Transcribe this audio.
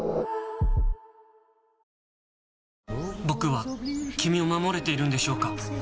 僕は君を守れているんでしょうか？